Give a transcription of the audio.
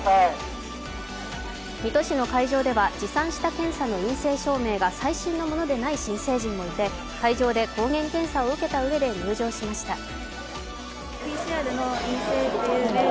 水戸市の会場では持参した検査の陰性証明が最新のものではない新成人もいて会場で抗原検査を受けたうえで入場しました。